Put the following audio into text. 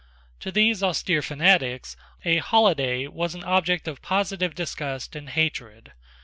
To these austere fanatics a holiday was an object of positive disgust and hatred.